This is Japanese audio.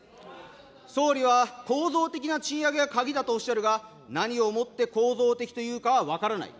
総理は構造的な賃上げが鍵だとおっしゃるが、何をもって構造的というかは分からない。